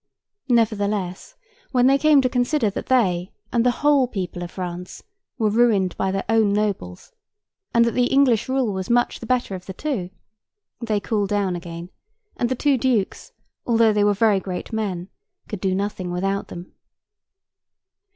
Nevertheless, when they came to consider that they, and the whole people of France, were ruined by their own nobles, and that the English rule was much the better of the two, they cooled down again; and the two dukes, although they were very great men, could do nothing without them.